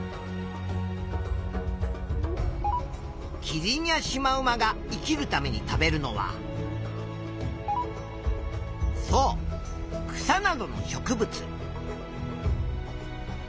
キリンやシマウマが生きるために食べるのはそう草などの植物。